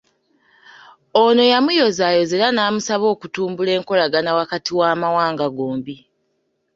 Ono yamuyozaayoza era namusaba okutumbula enkolagana wakati w'amawanga gombi.